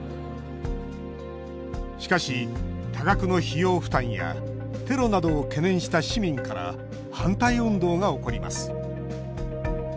しかし、多額の費用負担やテロなどを懸念した市民から反対運動が起こります。